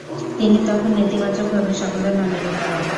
তিনি তখন নেতিবাচকভাবে সকলের নজরে পড়েন।